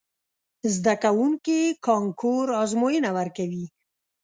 زده کوونکي کانکور ازموینه ورکوي.